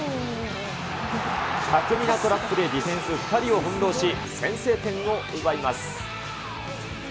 巧みなトラップでディフェンス２人を翻弄し、先制点を奪います。